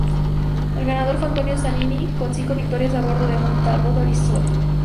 El ganador fue Antonio Zanini con cinco victorias a bordo de un Talbot Horizon.